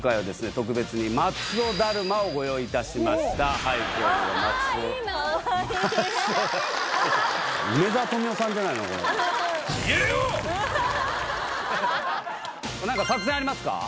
特別に松尾だるまをご用意いたしましたいいなかわいい何か作戦ありますか？